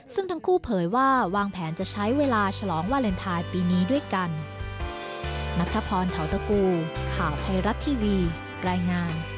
ซึ่งทั้งคู่เผยว่าวางแผนจะใช้เวลาฉลองวาเลนไทยปีนี้ด้วยกัน